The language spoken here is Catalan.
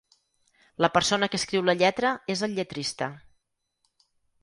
La persona que escriu la lletra és el lletrista.